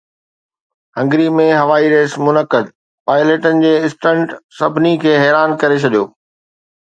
Hungary ۾ هوائي race منعقد، پائليٽن جي اسٽنٽ سڀني کي حيران ڪري ڇڏيو